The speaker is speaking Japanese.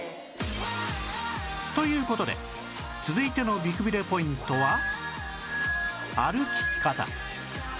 という事で続いての美くびれポイントは歩き方